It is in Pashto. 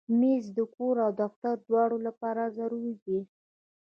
مېز د کور او دفتر دواړو لپاره ضروري دی.